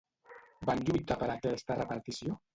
Van lluitar per aquesta repartició?